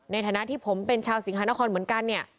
ในฐานะที่ผมเป็นชาวสีฮานครเหมือนกัน